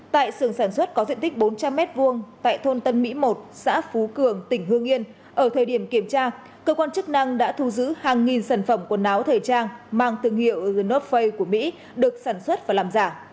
tại xưởng sản xuất có diện tích bốn trăm linh m hai tại thôn tân mỹ một xã phú cường tỉnh hương yên ở thời điểm kiểm tra cơ quan chức năng đã thu giữ hàng nghìn sản phẩm quần áo thời trang mang thương hiệu genofay của mỹ được sản xuất và làm giả